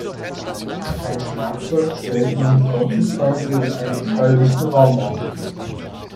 Ein Schlagzeug stellt man vorzugsweise in einem schalldichten Raum auf.